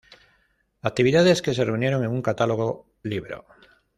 Actividades que se reunieron en un catálogo libro.